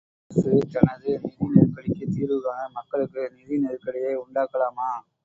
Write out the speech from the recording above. அரசு தனது நிதி நெருக்கடிக்குத் தீர்வுகாண மக்களுக்கு நிதி நெருக்கடியை உண்டாக்கலாமா?